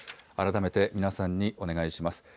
改めて皆さんにお願いします。